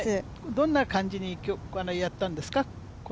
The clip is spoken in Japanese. どんな感じにやったんですか？